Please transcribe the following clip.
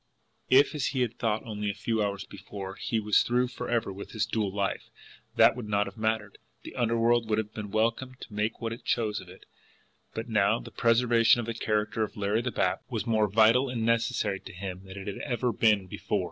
If, as he had thought only a few hours before, he was through forever with his dual life, that would not have mattered, the underworld would have been welcome to make what it chose of it but now the preservation of the character of Larry the Bat was more vital and necessary to him than it had ever been before.